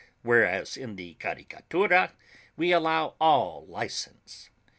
Whereas in the Caricatura we allow all licence.